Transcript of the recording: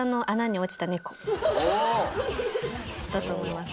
おおだと思います